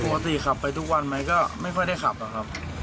ปกติขับไปทุกวันไหมก็ไม่ค่อยได้ขับครับ